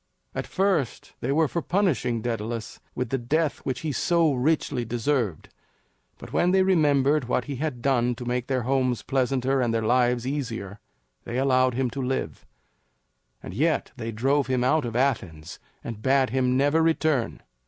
At first they were for punishing Daedalus with the death which he so richly deserved, but when they remembered what he had done to make their homes pleasanter and their lives easier, they allowed him to live; and yet they drove him out of Athens and bade him never return.